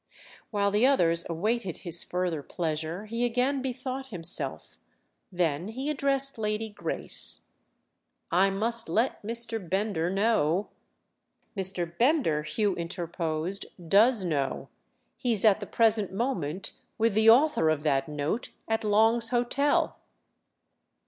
While the others awaited his further pleasure he again bethought himself—then he addressed Lady Grace. "I must let Mr. Bender know——" "Mr. Bender," Hugh interposed, "does know. He's at the present moment with the author of that note at Long's Hotel."